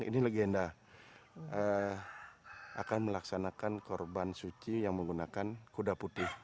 ini legenda akan melaksanakan korban suci yang menggunakan kuda putih